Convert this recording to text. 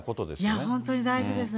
いや、本当に大事ですね。